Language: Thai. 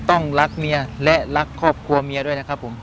รักเมียและรักครอบครัวเมียด้วยนะครับผม